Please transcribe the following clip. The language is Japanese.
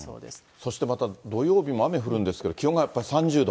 そして、また土曜日も雨降るんですけれども、気温が３０度。